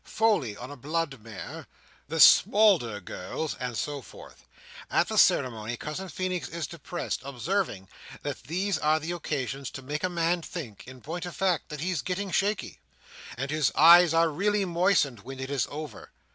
Foley on a blood mare. The Smalder girls"—and so forth. At the ceremony Cousin Feenix is depressed, observing, that these are the occasions to make a man think, in point of fact, that he is getting shaky; and his eyes are really moistened, when it is over.